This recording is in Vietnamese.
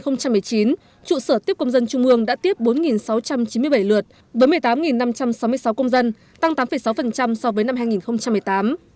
năm hai nghìn một mươi chín trụ sở tiếp công dân trung ương đã tiếp bốn sáu trăm chín mươi bảy lượt với một mươi tám năm trăm sáu mươi sáu công dân tăng tám sáu so với năm hai nghìn một mươi tám